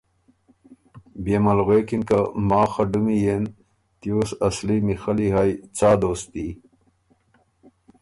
بيې مل غوېکِن که ”ماخ خه ډُمی یېن تیوس اصلی میخلّی هئ څا دوستي؟“